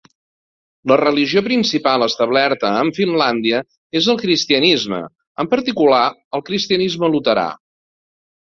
La religió principal establerta en Finlàndia és el cristianisme, en particular el cristianisme luterà.